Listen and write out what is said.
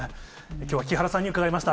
きょうは木原さんに伺いました。